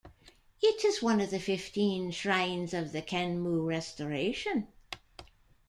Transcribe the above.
It is one of the Fifteen Shrines of the Kenmu Restoration.